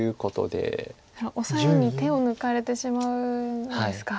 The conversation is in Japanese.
オサエに手を抜かれてしまうんですか。